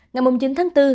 ngày chín tháng bốn